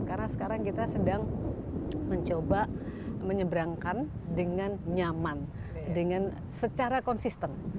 karena sekarang kita sedang mencoba menyebrangkan dengan nyaman dengan secara konsisten